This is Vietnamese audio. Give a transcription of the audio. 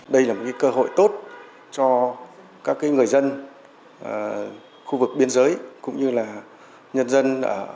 đây là một cơ hội tốt cho các người dân khu vực biên giới cũng như là nhân dân